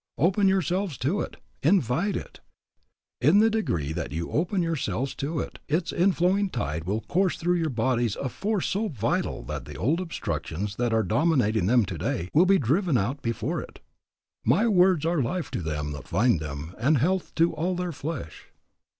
Open yourselves to it. Invite it. In the degree that you open yourselves to it, its inflowing tide will course through your bodies a force so vital that the old obstructions that are dominating them today will be driven out before it. "My words are life to them that find them, and health to all their flesh."